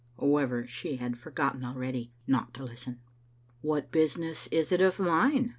However, she had forgotten already not to listen. "What business is it of mine?"